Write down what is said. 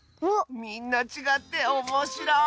みんなちがっておもしろい！